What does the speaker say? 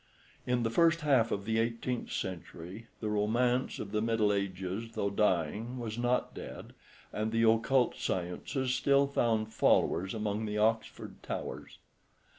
In the first half of the eighteenth century the romance of the middle ages, though dying, was not dead, and the occult sciences still found followers among the Oxford towers.